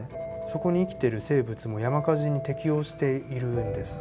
そこに生きている生物も山火事に適応しているんです。